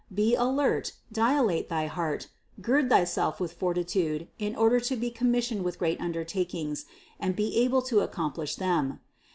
Be alert, dilate thy heart, gird thyself with fortitude in order to be commissioned with great undertakings and be able to ac complish them.